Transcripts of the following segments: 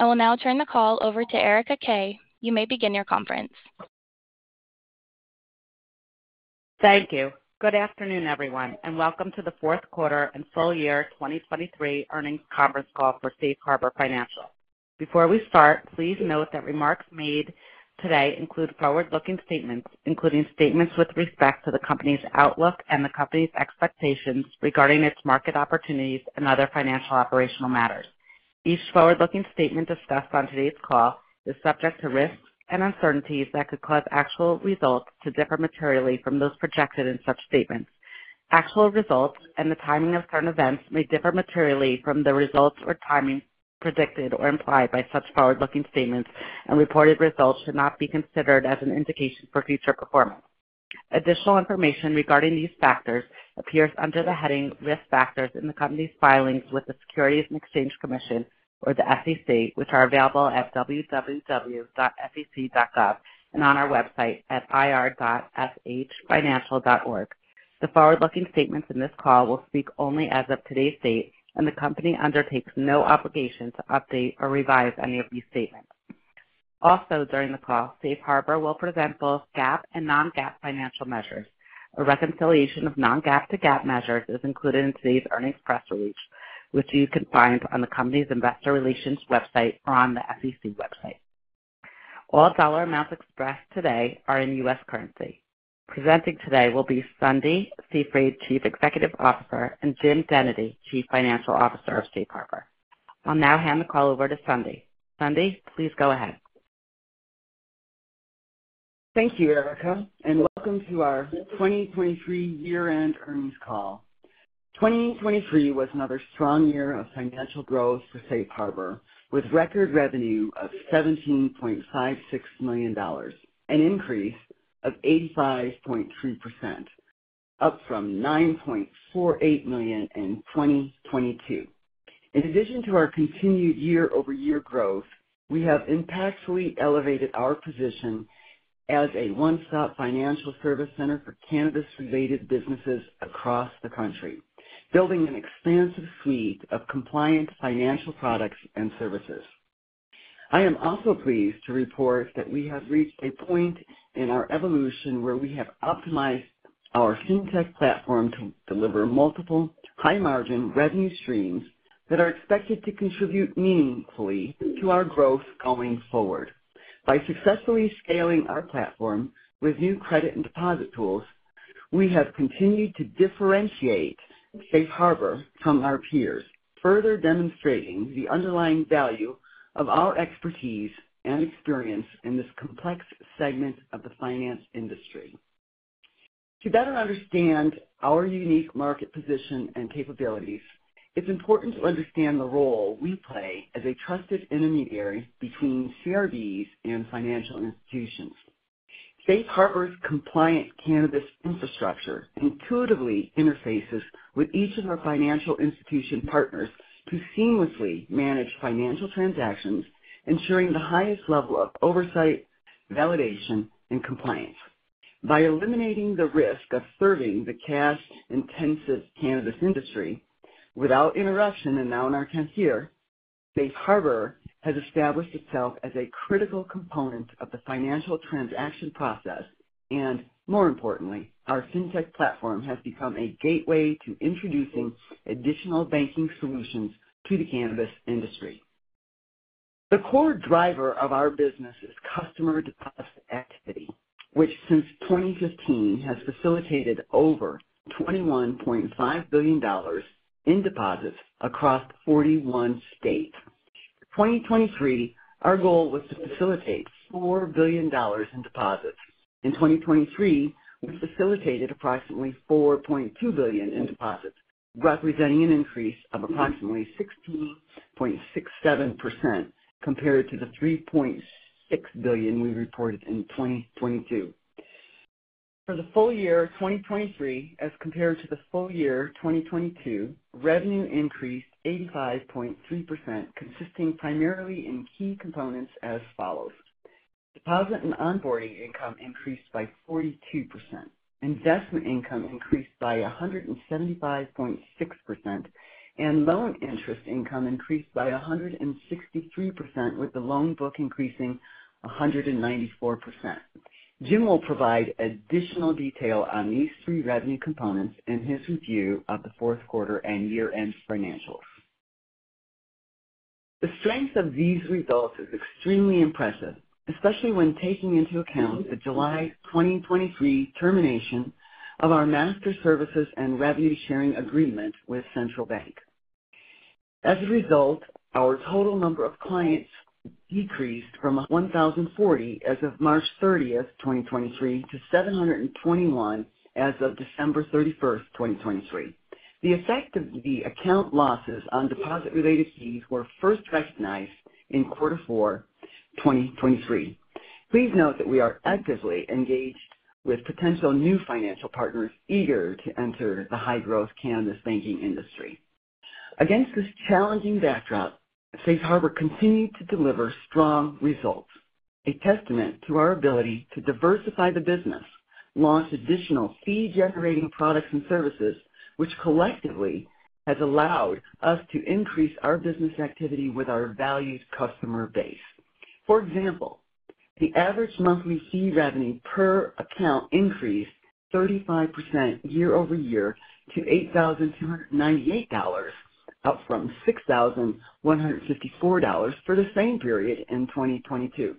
I will now turn the call over to Erica Kay. You may begin your conference. Thank you. Good afternoon, everyone, and welcome to the fourth quarter and full year 2023 earnings conference call for Safe Harbor Financial. Before we start, please note that remarks made today include forward-looking statements, including statements with respect to the company's outlook and the company's expectations regarding its market opportunities and other financial operational matters. Each forward-looking statement discussed on today's call is subject to risks and uncertainties that could cause actual results to differ materially from those projected in such statements. Actual results and the timing of certain events may differ materially from the results or timing predicted or implied by such forward-looking statements, and reported results should not be considered as an indication for future performance. Additional information regarding these factors appears under the heading Risk Factors in the company's filings with the Securities and Exchange Commission, or the SEC, which are available at www.sec.gov and on our website at ir.shfinancial.org. The forward-looking statements in this call will speak only as of today's date, and the company undertakes no obligation to update or revise any of these statements. Also, during the call, Safe Harbor will present both GAAP and non-GAAP financial measures. A reconciliation of non-GAAP to GAAP measures is included in today's earnings press release, which you can find on the company's investor relations website or on the SEC website. All dollar amounts expressed today are in U.S. currency. Presenting today will be Sundie Seefried, Chief Executive Officer, and Jim Dennedy, Chief Financial Officer of Safe Harbor. I'll now hand the call over to Sundie. Sundie, please go ahead. Thank you, Erica, and welcome to our 2023 year-end earnings call. 2023 was another strong year of financial growth for Safe Harbor, with record revenue of $17.56 million, an increase of 85.3%, up from $9.48 million in 2022. In addition to our continued year-over-year growth, we have impactfully elevated our position as a one-stop financial service center for cannabis-related businesses across the country, building an expansive suite of compliant financial products and services. I am also pleased to report that we have reached a point in our evolution where we have optimized our fintech platform to deliver multiple high-margin revenue streams that are expected to contribute meaningfully to our growth going forward. By successfully scaling our platform with new credit and deposit tools, we have continued to differentiate Safe Harbor from our peers, further demonstrating the underlying value of our expertise and experience in this complex segment of the finance industry. To better understand our unique market position and capabilities, it's important to understand the role we play as a trusted intermediary between CRBs and financial institutions. Safe Harbor's compliant cannabis infrastructure intuitively interfaces with each of our financial institution partners to seamlessly manage financial transactions, ensuring the highest level of oversight, validation, and compliance. By eliminating the risk of serving the cash-intensive cannabis industry without interruption, and now in our tenth year, Safe Harbor has established itself as a critical component of the financial transaction process, and more importantly, our fintech platform has become a gateway to introducing additional banking solutions to the cannabis industry. The core driver of our business is customer deposit activity, which, since 2015, has facilitated over $21.5 billion in deposits across 41 states. In 2023, our goal was to facilitate $4 billion in deposits. In 2023, we facilitated approximately $4.2 billion in deposits, representing an increase of approximately 16.67% compared to the $3.6 billion we reported in 2022. For the full year 2023, as compared to the full year 2022, revenue increased 85.3%, consisting primarily in key components as follows: Deposit and onboarding income increased by 42%, investment income increased by 175.6%, and loan interest income increased by 163%, with the loan book increasing 194%. Jim will provide additional detail on these three revenue components in his review of the fourth quarter and year-end financials. The strength of these results is extremely impressive, especially when taking into account the July 2023 termination of our master services and revenue-sharing agreement with Central Bank. As a result, our total number of clients decreased from 1,040 as of March 30th, 2023, to 721 as of December 31st, 2023. The effect of the account losses on deposit-related fees were first recognized in quarter four, 2023. Please note that we are actively engaged with potential new financial partners eager to enter the high-growth cannabis banking industry. Against this challenging backdrop, Safe Harbor continued to deliver strong results.... a testament to our ability to diversify the business, launch additional fee-generating products and services, which collectively has allowed us to increase our business activity with our valued customer base. For example, the average monthly fee revenue per account increased 35% year over year to $8,298, up from $6,154 for the same period in 2022.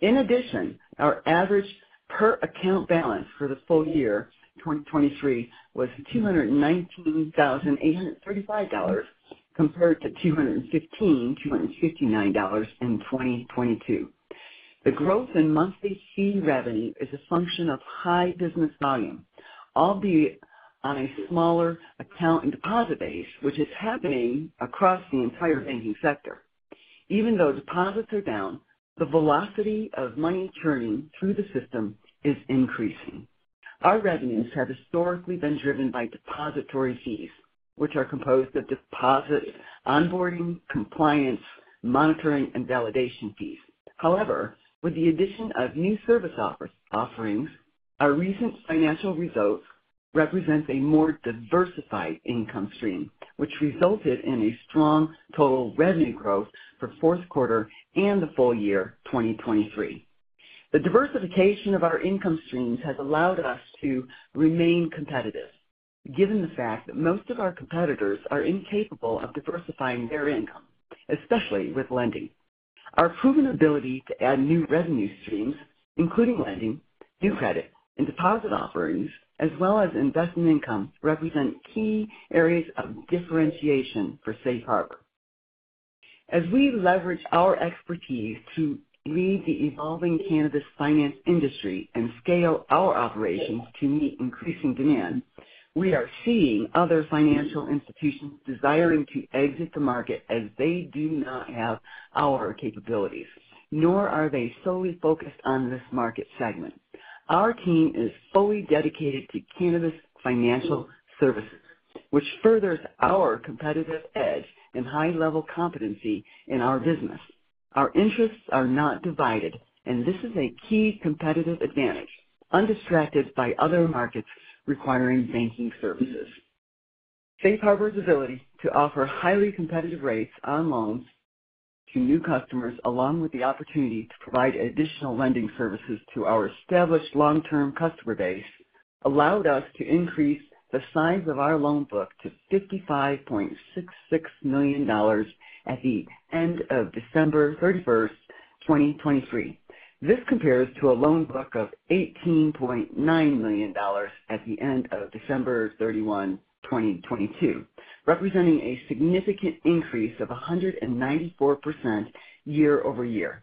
In addition, our average per account balance for the full year, 2023, was $219,835, compared to $215,259 in 2022. The growth in monthly fee revenue is a function of high business volume, albeit on a smaller account and deposit base, which is happening across the entire banking sector. Even though deposits are down, the velocity of money churning through the system is increasing. Our revenues have historically been driven by depository fees, which are composed of deposit, onboarding, compliance, monitoring, and validation fees. However, with the addition of new service offerings, our recent financial results represent a more diversified income stream, which resulted in a strong total revenue growth for fourth quarter and the full year 2023. The diversification of our income streams has allowed us to remain competitive, given the fact that most of our competitors are incapable of diversifying their income, especially with lending. Our proven ability to add new revenue streams, including lending, new credit, and deposit offerings, as well as investment income, represent key areas of differentiation for Safe Harbor. As we leverage our expertise to lead the evolving cannabis finance industry and scale our operations to meet increasing demand, we are seeing other financial institutions desiring to exit the market as they do not have our capabilities, nor are they solely focused on this market segment. Our team is fully dedicated to cannabis financial services, which furthers our competitive edge and high-level competency in our business. Our interests are not divided, and this is a key competitive advantage, undistracted by other markets requiring banking services. Safe Harbor's ability to offer highly competitive rates on loans to new customers, along with the opportunity to provide additional lending services to our established long-term customer base, allowed us to increase the size of our loan book to $55.66 million at the end of December 31st, 2023. This compares to a loan book of $18.9 million at the end of December 31, 2022, representing a significant increase of 194% year-over-year.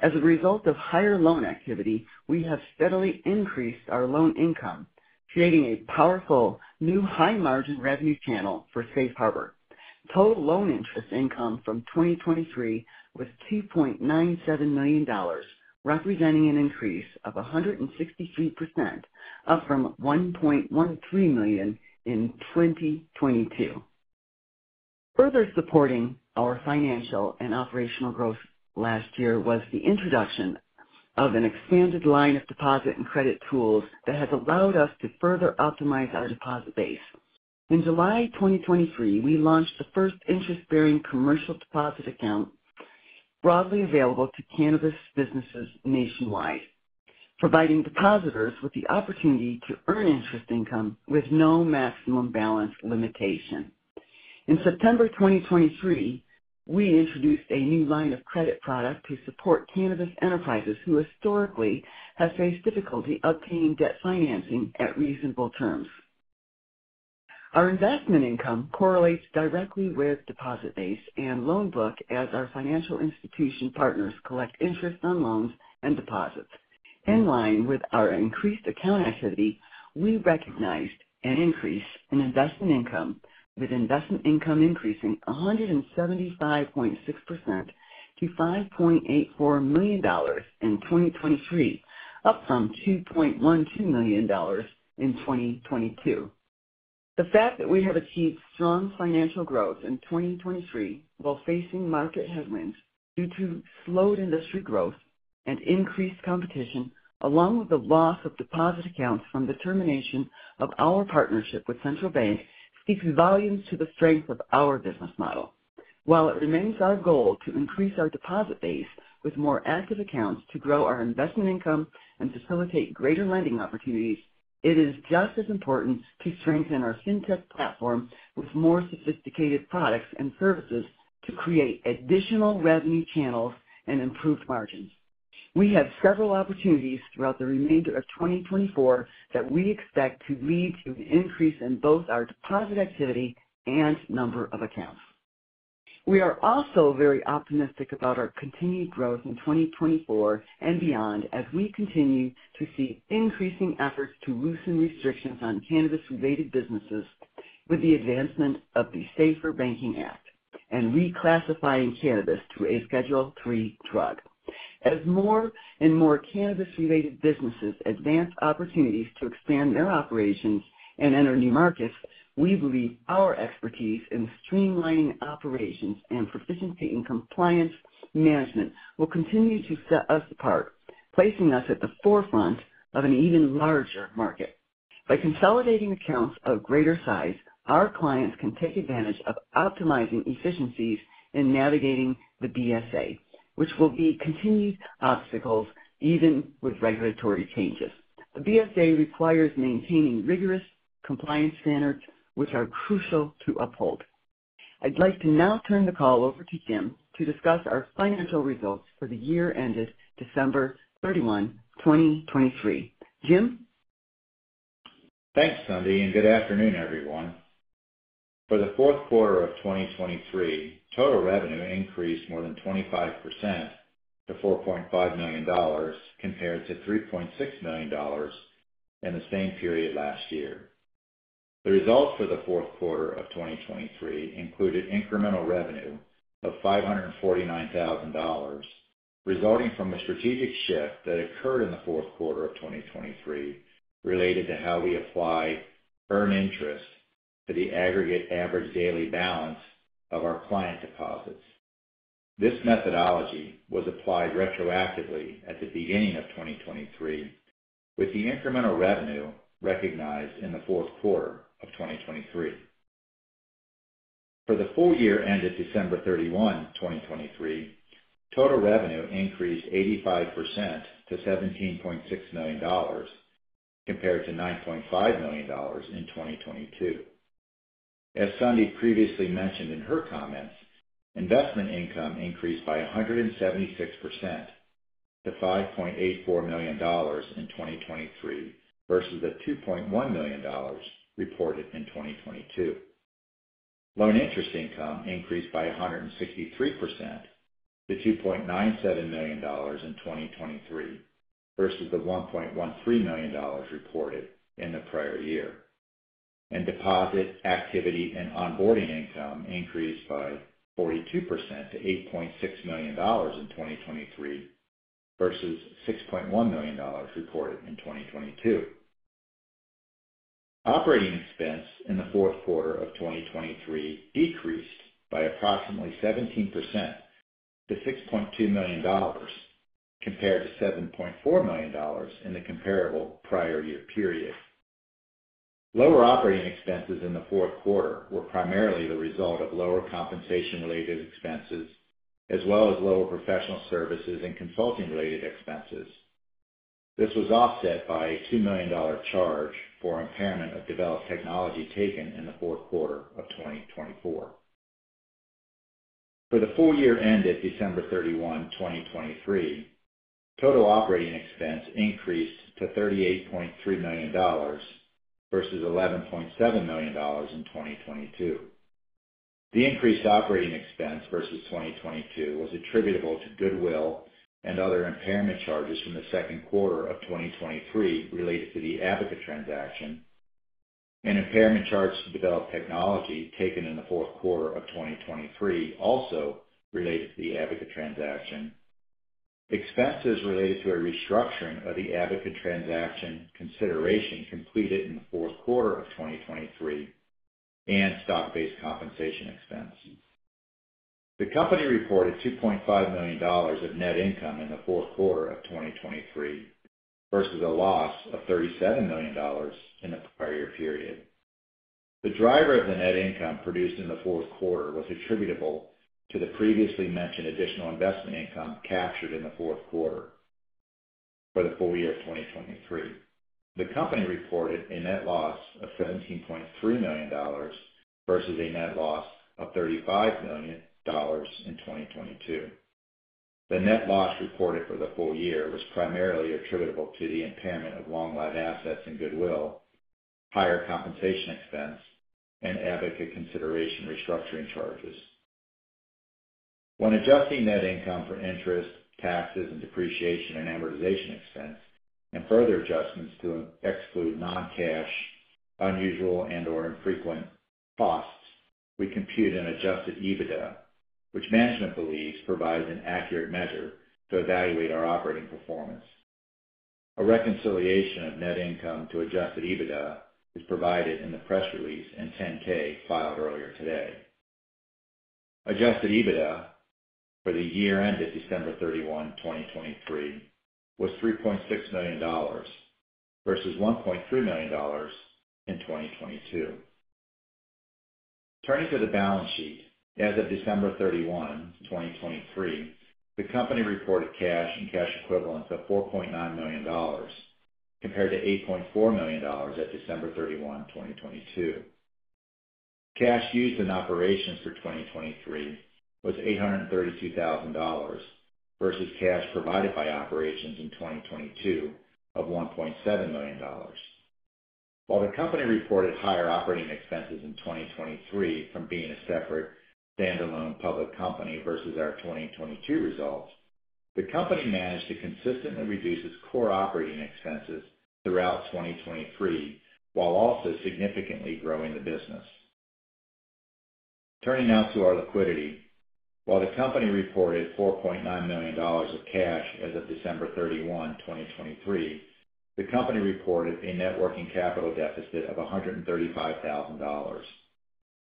As a result of higher loan activity, we have steadily increased our loan income, creating a powerful new high-margin revenue channel for Safe Harbor. Total loan interest income from 2023 was $2.97 million, representing an increase of 163%, up from $1.13 million in 2022. Further supporting our financial and operational growth last year was the introduction of an expanded line of deposit and credit tools that has allowed us to further optimize our deposit base. In July 2023, we launched the first interest-bearing commercial deposit account broadly available to cannabis businesses nationwide, providing depositors with the opportunity to earn interest income with no maximum balance limitation. In September 2023, we introduced a new line of credit product to support cannabis enterprises who historically have faced difficulty obtaining debt financing at reasonable terms. Our investment income correlates directly with deposit base and loan book as our financial institution partners collect interest on loans and deposits. In line with our increased account activity, we recognized an increase in investment income, with investment income increasing 175.6% to $5.84 million in 2023, up from $2.12 million in 2022. The fact that we have achieved strong financial growth in 2023 while facing market headwinds due to slowed industry growth and increased competition, along with the loss of deposit accounts from the termination of our partnership with Central Bank, speaks volumes to the strength of our business model. While it remains our goal to increase our deposit base with more active accounts to grow our investment income and facilitate greater lending opportunities, it is just as important to strengthen our fintech platform with more sophisticated products and services to create additional revenue channels and improved margins. We have several opportunities throughout the remainder of 2024 that we expect to lead to an increase in both our deposit activity and number of accounts. We are also very optimistic about our continued growth in 2024 and beyond, as we continue to see increasing efforts to loosen restrictions on cannabis-related businesses with the advancement of the SAFER Banking Act and reclassifying cannabis to a Schedule III drug. As more and more cannabis-related businesses advance opportunities to expand their operations and enter new markets, we believe our expertise in streamlining operations and proficiency in compliance management will continue to set us apart, placing us at the forefront of an even larger market. By consolidating accounts of greater size, our clients can take advantage of optimizing efficiencies in navigating the BSA, which will be continued obstacles even with regulatory changes. The BSA requires maintaining rigorous compliance standards, which are crucial to uphold. I'd like to now turn the call over to Jim to discuss our financial results for the year ended December 31, 2023. Jim? Thanks, Sundie, and good afternoon, everyone. For the fourth quarter of 2023, total revenue increased more than 25% to $4.5 million, compared to $3.6 million in the same period last year. The results for the fourth quarter of 2023 included incremental revenue of $549,000, resulting from a strategic shift that occurred in the fourth quarter of 2023, related to how we apply earned interest to the aggregate average daily balance of our client deposits. This methodology was applied retroactively at the beginning of 2023, with the incremental revenue recognized in the fourth quarter of 2023. For the full year ended December 31, 2023, total revenue increased 85% to $17.6 million, compared to $9.5 million in 2022. As Sundie previously mentioned in her comments, investment income increased by 176% to $5.84 million in 2023 versus the $2.1 million reported in 2022. Loan interest income increased by 163% to $2.97 million in 2023 versus the $1.13 million reported in the prior year. Deposit activity and onboarding income increased by 42% to $8.6 million in 2023 versus $6.1 million reported in 2022. Operating expense in the fourth quarter of 2023 decreased by approximately 17% to $6.2 million, compared to $7.4 million in the comparable prior year period. Lower operating expenses in the fourth quarter were primarily the result of lower compensation-related expenses, as well as lower professional services and consulting-related expenses. This was offset by a $2 million charge for impairment of developed technology taken in the fourth quarter of 2024. For the full year ended December 31, 2023, total operating expense increased to $38.3 million versus $11.7 million in 2022. The increased operating expense versus 2022 was attributable to goodwill and other impairment charges from the second quarter of 2023, related to the Abaca transaction, and impairment charges to developed technology taken in the fourth quarter of 2023, also related to the Abaca transaction. Expenses related to a restructuring of the Abaca transaction consideration completed in the fourth quarter of 2023 and stock-based compensation expense. The company reported $2.5 million of net income in the fourth quarter of 2023, versus a loss of $37 million in the prior period. The driver of the net income produced in the fourth quarter was attributable to the previously mentioned additional investment income captured in the fourth quarter. For the full year of 2023, the company reported a net loss of $17.3 million versus a net loss of $35 million in 2022. The net loss reported for the full year was primarily attributable to the impairment of long-lived assets and goodwill, higher compensation expense, and Abaca consideration restructuring charges. When adjusting net income for interest, taxes, and depreciation and amortization expense, and further adjustments to exclude non-cash, unusual, and/or infrequent costs, we compute an Adjusted EBITDA, which management believes provides an accurate measure to evaluate our operating performance. A reconciliation of net income to Adjusted EBITDA is provided in the press release and 10-K filed earlier today. Adjusted EBITDA for the year ended December 31, 2023, was $3.6 million, versus $1.3 million in 2022. Turning to the balance sheet, as of December 31, 2023, the company reported cash and cash equivalents of $4.9 million, compared to $8.4 million at December 31, 2022. Cash used in operations for 2023 was $832,000, versus cash provided by operations in 2022 of $1.7 million. While the company reported higher operating expenses in 2023 from being a separate standalone public company versus our 2022 results, the company managed to consistently reduce its core operating expenses throughout 2023, while also significantly growing the business. Turning now to our liquidity. While the company reported $4.9 million of cash as of December 31, 2023, the company reported a net working capital deficit of $135,000.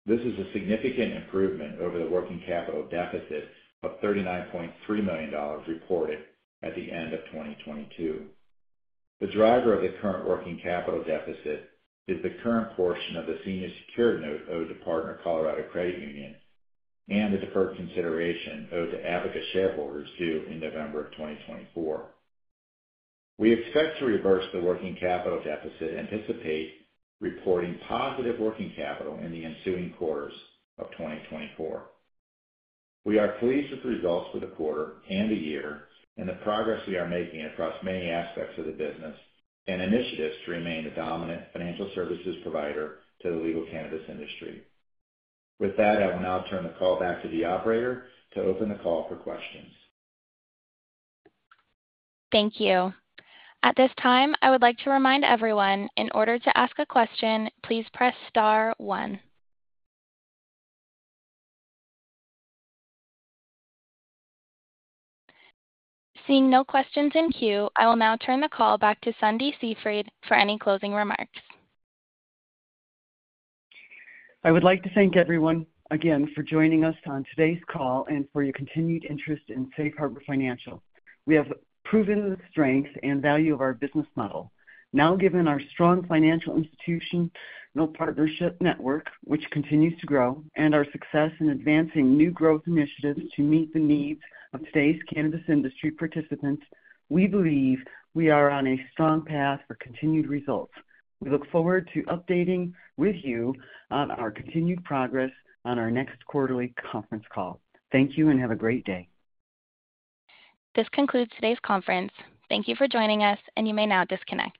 This is a significant improvement over the working capital deficit of $39.3 million reported at the end of 2022. The driver of the current working capital deficit is the current portion of the senior secured note owed to Partner Colorado Credit Union and the deferred consideration owed to Abaca shareholders due in November 2024. We expect to reverse the working capital deficit and anticipate reporting positive working capital in the ensuing quarters of 2024. We are pleased with the results for the quarter and the year, and the progress we are making across many aspects of the business, and initiatives to remain the dominant financial services provider to the legal cannabis industry. With that, I will now turn the call back to the operator to open the call for questions. Thank you. At this time, I would like to remind everyone, in order to ask a question, please press star one. Seeing no questions in queue, I will now turn the call back to Sundie Seefried for any closing remarks. I would like to thank everyone again for joining us on today's call and for your continued interest in Safe Harbor Financial. We have proven the strength and value of our business model. Now, given our strong financial institutional partnership network, which continues to grow, and our success in advancing new growth initiatives to meet the needs of today's cannabis industry participants, we believe we are on a strong path for continued results. We look forward to updating with you on our continued progress on our next quarterly conference call. Thank you and have a great day. This concludes today's conference. Thank you for joining us, and you may now disconnect.